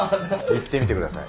言ってみてください。